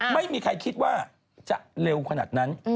ไม่มีใครคิดว่าจะเร็วขนาดนั้น